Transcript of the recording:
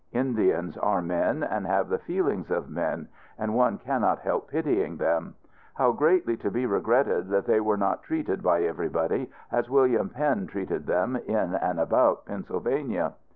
Indians are men, and have the feelings of men; and one cannot help pitying them. How greatly to be regretted that they were not treated, by everybody, as William Penn treated them, in and about Pennsylvania!